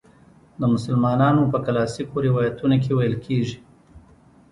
د مسلمانانو په کلاسیکو روایتونو کې ویل کیږي.